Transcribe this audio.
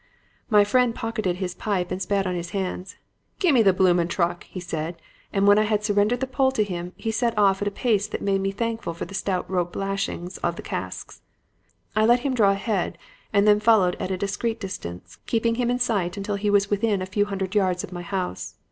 "My friend pocketed his pipe and spat on his hands. 'Gi' me the bloomin' truck,' said he; and when I had surrendered the pole to him, he set off at a pace that made me thankful for the stout rope lashings of the casks. "I let him draw ahead and then followed at a discreet distance, keeping him in sight until he was within a few hundred yards of my house.